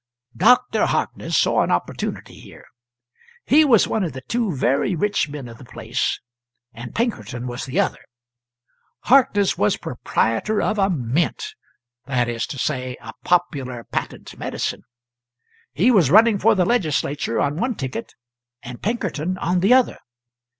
"Dr." Harkness saw an opportunity here. He was one of the two very rich men of the place, and Pinkerton was the other. Harkness was proprietor of a mint; that is to say, a popular patent medicine. He was running for the Legislature on one ticket, and Pinkerton on the other.